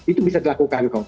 itu bisa dilakukan